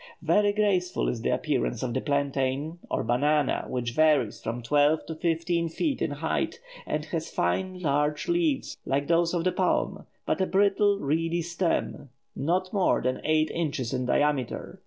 Very graceful is the appearance of the plantain, or banana, which varies from twelve to fifteen feet in height, and has fine large leaves like those of the palm, but a brittle reedy stem, not more than eight inches in diameter.